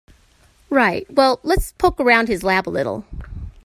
Right, well let's poke around his lab a little.